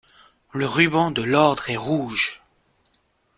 Le ruban de l'ordre est rouge.